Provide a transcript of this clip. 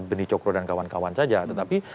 beni cokro dan kawan kawan saja tetapi